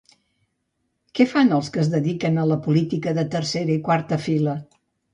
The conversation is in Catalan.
Què fan els que es dediquen a la política de tercera i quarta fila?